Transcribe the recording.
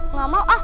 nggak mau ah